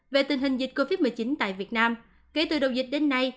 về tình hình dịch covid một mươi chín tại việt nam kể từ đầu dịch đến nay